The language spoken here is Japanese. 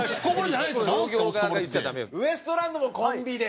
ウエストランドもコンビで？